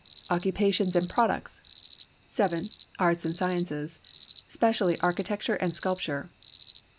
Occupations and products. 7. Arts and sciences; specially architecture and sculpture.